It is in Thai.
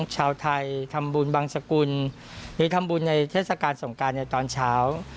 ชาวไทยทำบุญบังสกุลหรือทำบุญในเทศกาลสงการในตอนเช้า